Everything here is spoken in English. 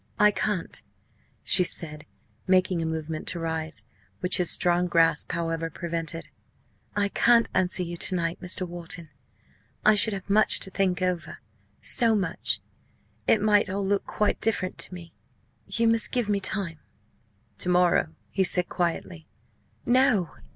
"I can't," she said, making a movement to rise, which his strong grasp, however, prevented. "I can't answer you to night, Mr. Wharton. I should have much to think over so much! It might all look quite different to me. You must give me time." "To morrow?" he said quietly. "No!"